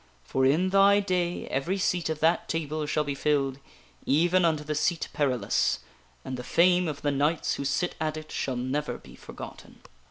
For in thy day every seat of that TABLE shall be filled, even unto the SEAT PERILOUS, and the fame of the knights who sit at it shall never be forgotten."